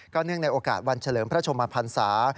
เนื่องในโอกาสวันเฉลิมพระชมพันศา